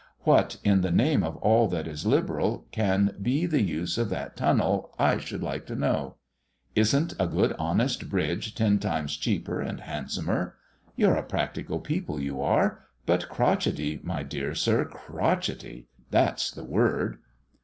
What, in the name of all that is liberal, can be the use of that tunnel, I should like to know? Is'nt a good honest bridge ten times cheaper and handsomer? You're a practical people, you are; but crotchetty, my dear Sir, crotchetty, that's the word."